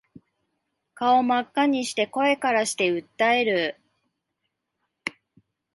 顔真っ赤にして声からして訴える